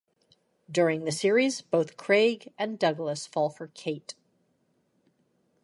During the series, both Craig and Douglas fall for Kate.